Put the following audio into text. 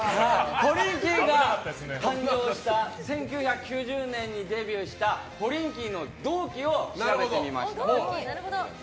ポリンキーが誕生した１９９０年にデビューしたポリンキーの同期を調べてみました。